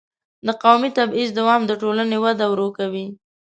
د قومي تبعیض دوام د ټولنې وده ورو کوي.